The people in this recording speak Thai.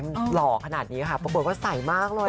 หน้าเขาหล่อขนาดนี้นะคะประโยชน์ว่าใสมากเลย